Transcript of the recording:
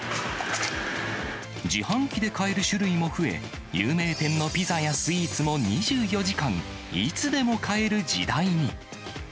自販機で買える種類も増え、有名店のピザやスイーツも２４時間、いつでも買える時代に。